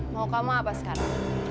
mau kamu apa sekarang